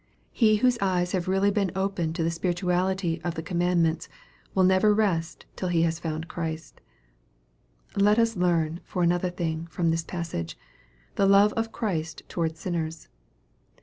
He whose eyes have really "been opened to the spirituality of the commandments, will never rest till he has found Christ. Let us learn, for another thing, from this passage, the love of Christ towards sinners.